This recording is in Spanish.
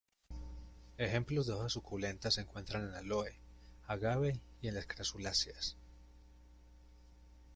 Ejemplos de hojas suculentas se encuentran en "Aloe", "Agave", y en las crasuláceas.